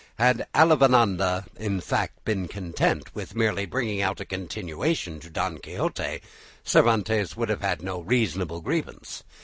Had Avellaneda, in fact, been content with merely bringing out a continuation to "Don Quixote," Cervantes would have had no reasonable grievance.